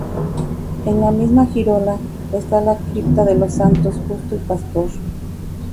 En la misma girola está la cripta de los santos Justo y Pastor.